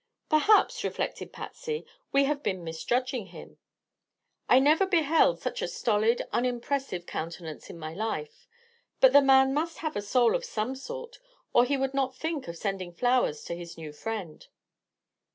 "Perhaps," reflected Patsy, "we've been misjudging him. I never beheld such a stolid, unimpressive countenance in my life; but the man must have a soul of some sort, or he would not think of sending flowers to his new friend."